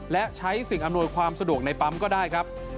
และใช้สิ่งอำนวยความสะดวกในปั๊มก็ได้ครับ